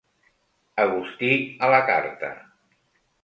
Agustí a la carta.